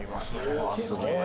うわすごい。